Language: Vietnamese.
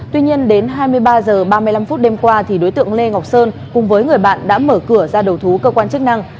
tuy nhiên đến hai mươi ba h ba mươi năm đêm qua đối tượng lê ngọc sơn cùng với người bạn đã mở cửa ra đầu thú cơ quan chức năng